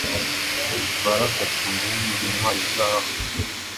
che guevara afatwa nk’umwe muntwari zaho